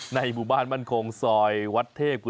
ในหมู่บ้านมันโครงสอยวัทเทพ